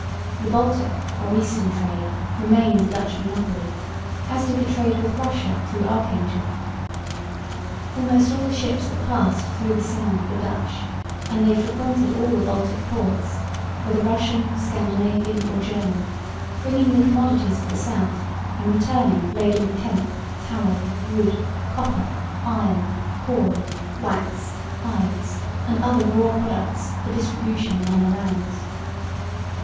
The Baltic (or Eastern) trade remained a Dutch monopoly, as did the trade with Russia through Archangel. Almost all the ships that passed through the Sound were Dutch; and they frequented all the Baltic ports, whether Russian, Scandinavian or German, bringing the commodities of the South and returning laden with hemp, tallow, wood, copper, iron, corn, wax, hides and other raw products for distribution in other lands.